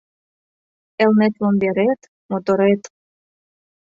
Элнет ломберет - моторет